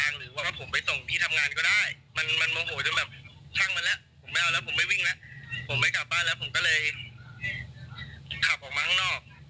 หรือว่าผมไปส่งที่ทำงานก็ได้มันโมโหยจนแบบช่างมันแล้วผมไม่เอาแล้วผมไม่วิ่งแล้วผมไปกลับบ้านแล้วผมก็เลยขับออกมาข้างนอก